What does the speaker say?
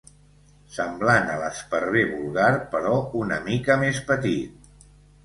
Semblant a l'esparver vulgar però una mica més petit.